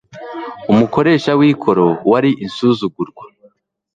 Umukoresha w'ikoro wari insuzugurwa,